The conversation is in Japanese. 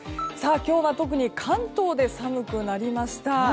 今日は特に関東で寒くなりました。